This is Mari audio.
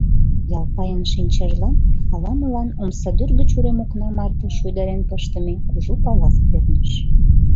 Ялпайын шинчажлан ала-молан омсадӱр гыч урем окна марте шуйдарен пыштыме кужу палас перныш.